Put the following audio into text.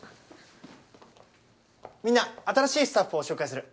みんな新しいスタッフを紹介する。